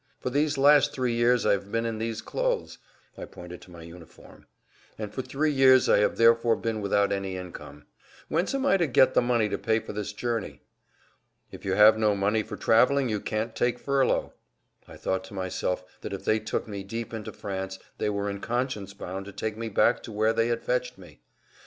"For these last three years I have been in these clothes" (I pointed to my uniform), "and for three years I have therefore been without any income. Whence am I to get the money to pay for this journey?" "If you have no money for traveling you can't take furlough." I thought to myself that if they took me deep into France they were in conscience bound to take me back to where they had fetched me.